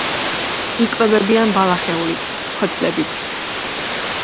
იკვებებიან ბალახეულით, ფოთლებით.